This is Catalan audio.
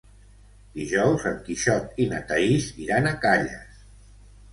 Dijous en Quixot i na Thaís iran a Calles.